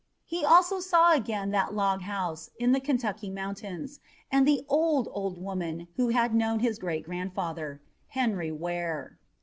He also saw again that log house in the Kentucky mountains, and the old, old woman who had known his great grandfather, Henry Ware.